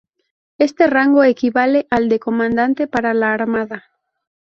Este rango equivale al de Comandante para la armada.